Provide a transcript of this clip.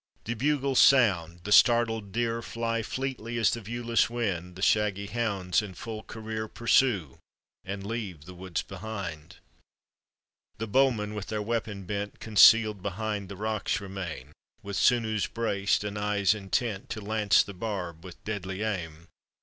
The bugles sound, the startled deer Fly fleetly as the viewless wind, The shaggy hounds in full cnreer Pursue und leave the woods behind. The bowmen with their weapon bent Concealed behind the rocks remain. With sinews braced and eyes intent, To lance the barb with deadly aim.